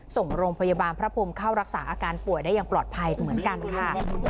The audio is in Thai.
ส่งโรงพยาบาลพระพรมเข้ารักษาอาการป่วยได้อย่างปลอดภัยเหมือนกันค่ะ